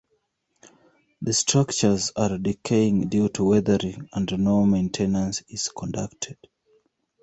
The structures are decaying due to weathering, and no maintenance is conducted.